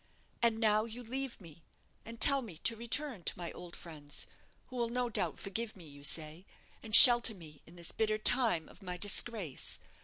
And now you leave me, and tell me to return to my old friends, who will no doubt forgive me, you say, and shelter me in this bitter time of my disgrace.